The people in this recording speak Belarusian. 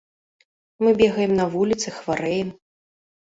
Мы бегаем на вуліцы, хварэем.